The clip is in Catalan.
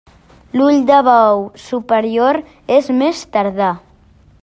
L'ull de bou superior és més tardà.